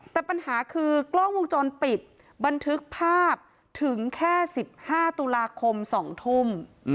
แต่ปัญหาคือกล้องวงจรปิดบันทึกภาพถึงแค่๑๕ตุลาคม๒ทุ่ม